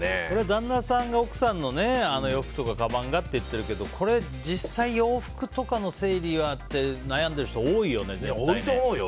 旦那さんが奥さんの洋服とかかばんがって言ってるけどこれ実際洋服とかの整理は悩んでる人多いと思うよ。